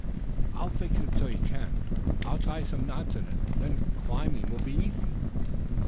"I'll fix it so you can. I'll tie some knots in it, then climbing will be easy."